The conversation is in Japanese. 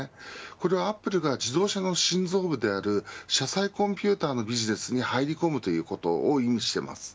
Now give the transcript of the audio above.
これはアップルが自動車の心臓部である車載コンピューターのビジネスに入り込むということを意味しています。